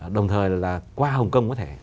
đồng thời là qua hồng kông có thể